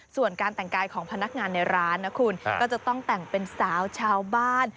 ส่วนการแต่งกายของพนักงานในร้านนะคุณก็จะต้องแต่งเป็นสาวชาวบ้าน